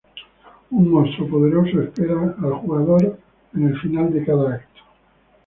Un monstruo poderoso espera al jugador en el final de cada acto.